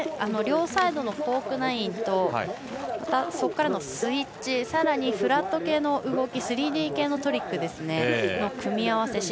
両サイドのコーク９００とまた、そこからのスイッチさらにフラット系の動き３Ｄ系のトリックの組み合わせ